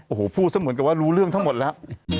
โอ้โหพูดซะเหมือนกับว่ารู้เรื่องทั้งหมดแล้ว